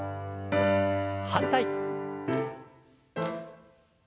反対。